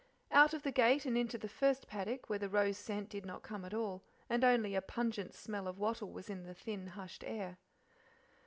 Out of the gate and into the first paddock, where the rose scent did not come at all, and only a pungent smell of wattle was in the thin, hushed air.